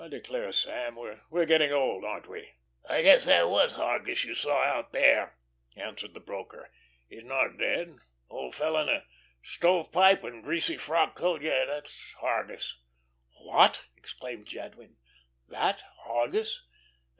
I declare, Sam, we're getting old, aren't we?" "I guess that was Hargus you saw out there," answered the broker. "He's not dead. Old fellow in a stove pipe and greasy frock coat? Yes, that's Hargus." "What!" exclaimed Jadwin. "That Hargus?"